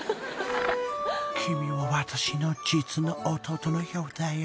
［君は私の実の弟のようだよ］